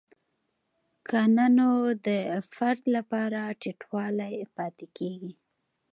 که نه نو د فرد لپاره ټیټوالی پاتې کیږي.